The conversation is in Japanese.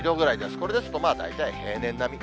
これですと、大体平年並み。